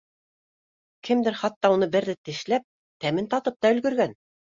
Кемдер хатта уны берҙе тешләп, тәмен татып та өлгөргән.